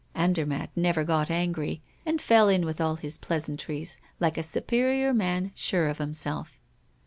Andermatt never got angry, and fell in with all his pleasantries, like a superior man sure of himself.